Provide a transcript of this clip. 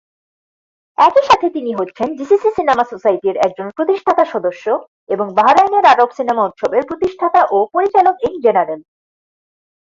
একই সাথে তিনি হচ্ছেন জিসিসি সিনেমা সোসাইটির একজন প্রতিষ্ঠাতা সদস্য এবং বাহরাইনের আরব সিনেমা উৎসবের প্রতিষ্ঠাতা ও পরিচালক-ইন-জেনারেল।